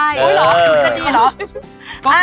สรุปแล้วเดือนสิงหาคม